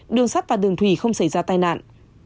đường sắt và đường thủy không xảy ra tai nạn